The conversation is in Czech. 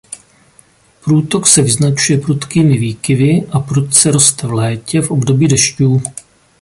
Průtok se vyznačuje prudkými výkyvy a prudce roste v létě v období dešťů.